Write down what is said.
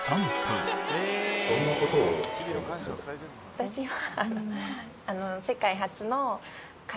私は。